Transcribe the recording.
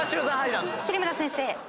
桐村先生。